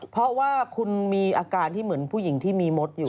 เพราะว่าคุณมีอาการที่เหมือนผู้หญิงที่มีมดอยู่